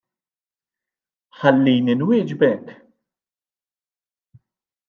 Ħallini nwieġbek!